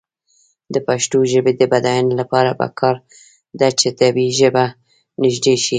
د پښتو ژبې د بډاینې لپاره پکار ده چې طبعي ژبه نژدې شي.